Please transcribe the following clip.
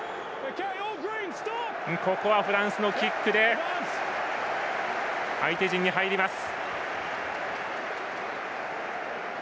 フランスのキックで相手陣に入ります。